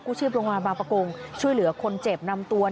ชีพโรงพยาบาลบางประกงช่วยเหลือคนเจ็บนำตัว